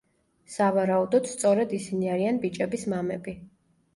სავარაუდოდ, სწორედ ისინი არიან ბიჭების მამები.